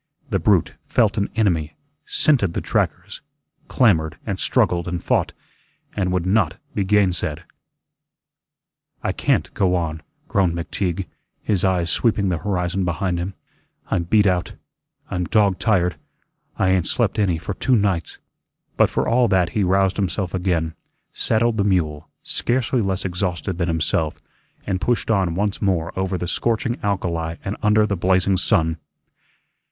The brute felt an enemy, scented the trackers, clamored and struggled and fought, and would not be gainsaid. "I CAN'T go on," groaned McTeague, his eyes sweeping the horizon behind him, "I'm beat out. I'm dog tired. I ain't slept any for two nights." But for all that he roused himself again, saddled the mule, scarcely less exhausted than himself, and pushed on once more over the scorching alkali and under the blazing sun.